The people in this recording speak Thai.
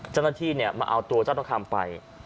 เจ้าหน้าที่มาเอาตัวเจ้าทองคำไป